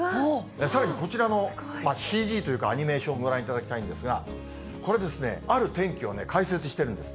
さらにこちらのＣＧというか、アニメーションご覧いただきたいんですが、これですね、ある天気を解説してるんです。